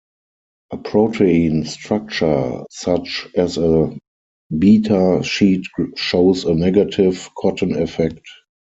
A protein structure such as a beta sheet shows a negative Cotton effect.